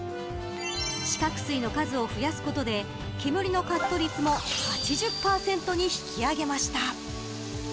四角すいの数を増やすことで煙のカット率も８０％に引き上げました。